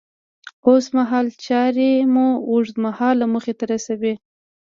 اوسمهال چارې مو اوږد مهاله موخې ته رسوي.